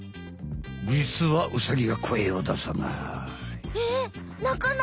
じつはウサギは声を出さない。